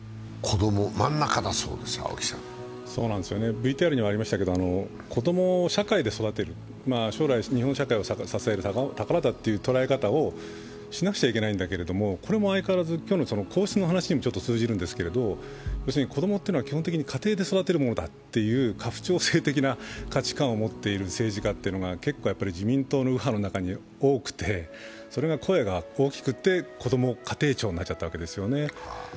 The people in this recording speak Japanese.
ＶＴＲにもありましたけど子供を社会で育てる、将来、日本社会を支える宝だという捉え方をしなくちゃいけないんだけれども、今日の皇室の話に通じるんだけど子供というのは基本的に家庭で育てるものだという家父長的な価値観を持っている政治家が結構自民党の右派の中に多くて、それが声が大きくて、こども家庭庁になっちゃったわけですよね。